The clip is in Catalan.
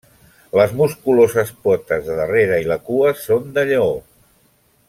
Les musculoses potes de darrere i la cua són de lleó.